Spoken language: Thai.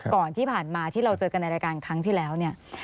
ก่อนที่ผ่านมาที่เราเจอกันในรายการครั้งที่แล้วเนี่ย